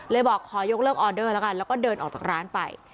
บอกขอยกเลิกออเดอร์แล้วกันแล้วก็เดินออกจากร้านไป